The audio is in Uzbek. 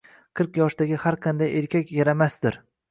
Qirq yoshdagi har qanday erkak yaramasdir.